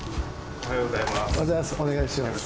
おはようございます。